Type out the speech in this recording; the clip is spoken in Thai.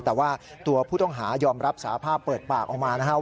แต่ว่าตัวผู้ต้องหายอมรับสาภาพเปิดปากออกมานะครับ